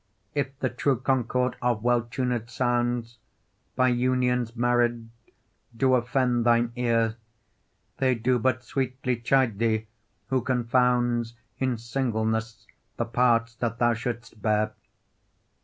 If the true concord of well tuned sounds, By unions married, do offend thine ear, They do but sweetly chide thee, who confounds In singleness the parts that thou shouldst bear.